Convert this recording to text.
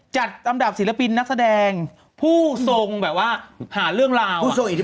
จัดอันดับศิลปินนักแสดงผู้ทรงหาเรื่องราว